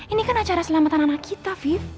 ini kan acara selamatan anak kita fif